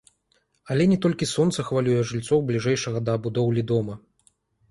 Але не толькі сонца хвалюе жыльцоў бліжэйшага да будоўлі дома.